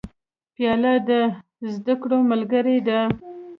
پیاله د زده کړو ملګرې ده.